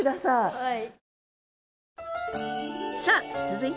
はい。